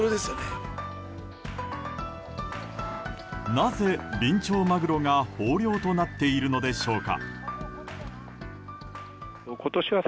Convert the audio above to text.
なぜビンチョウマグロが豊漁となっているのでしょうか。